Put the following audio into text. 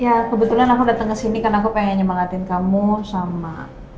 ya kebetulan aku datang ke sini karena aku pengen nyemangatin kamu sama